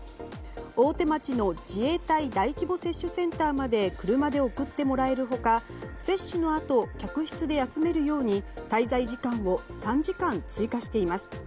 大手町の自衛隊大規模接種センターまで車で送ってもらえる他接種のあと客室で休めるように滞在時間を３時間追加しています。